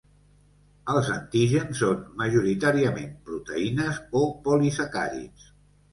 Els antígens són majoritàriament proteïnes o polisacàrids.